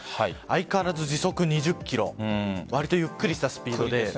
相変わらず時速２０キロわりとゆっくりしたスピードで。